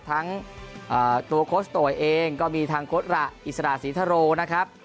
ทั้งตัวโค้ชโตยเองก็มีทางโค้ดระอิสระศรีทะโรนะครับ